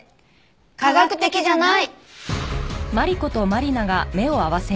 科学的じゃない。